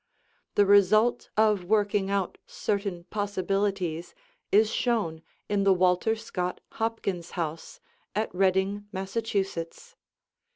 The result of working out certain possibilities is shown in the Walter Scott Hopkins house at Reading, Massachusetts.